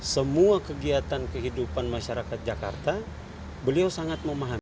semua kegiatan kehidupan masyarakat jakarta beliau sangat memahami